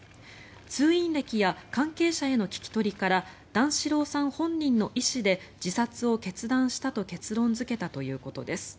通院歴や関係者への聞き取りから段四郎さん本人の意思で自殺を決断したと結論付けたということです。